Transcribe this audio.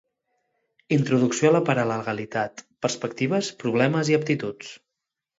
Introducció a la paralegalitat: perspectives, problemes i aptituds.